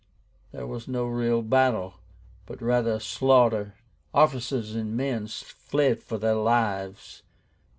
There was no real battle, but rather a slaughter. Officers and men fled for their lives.